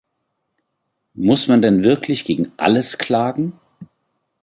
Muss man denn wirklich gegen alles klagen?